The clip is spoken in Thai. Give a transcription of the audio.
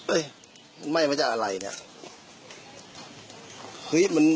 เอ๊ะมันไหม้มาจากอะไรเนี่ย